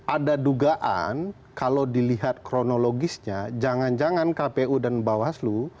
ada dugaan kalau dilihat kronologisnya jangan jangan kpu dan bawaslu